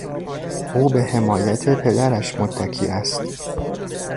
او به حمایت پدرش متکی است.